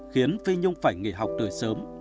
khiến phi nhung phải nghỉ học từ sớm